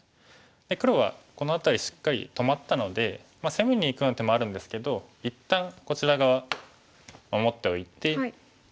黒はこの辺りしっかり止まったので攻めにいくような手もあるんですけど一旦こちら側守っておいて。